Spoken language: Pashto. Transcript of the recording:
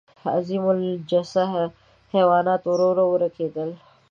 عظیم الجثه حیوانات ورو ورو ورکېدل.